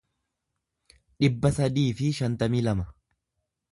dhibba sadii fi shantamii lama